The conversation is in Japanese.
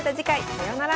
さようなら。